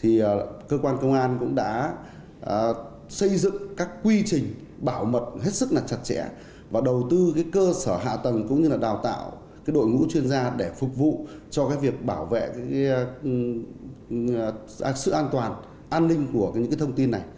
thì cơ quan công an cũng đã xây dựng các quy trình bảo mật hết sức là chặt chẽ và đầu tư cái cơ sở hạ tầng cũng như là đào tạo cái đội ngũ chuyên gia để phục vụ cho cái việc bảo vệ cái sự an toàn an ninh của những cái thông tin này